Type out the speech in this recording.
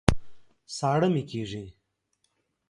ساړه مي کېږي